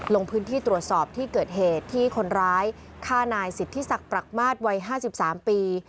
ลงพื้นที่ตรวจสอบที่เกิดเหตุที่คนร้ายฆ่านายสิทธิศักดิ์ปรักมาตรวัย๕๓ปี